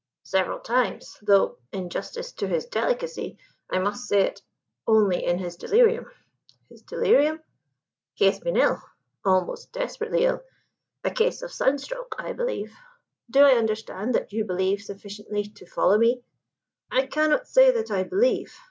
"Several times: though (in justice to his delicacy, I must say it) only in his delirium." "His delirium?" "He has been ill; almost desperately ill. A case of sunstroke, I believe. Do I understand that you believe sufficiently to follow me?" "I cannot say that I believe.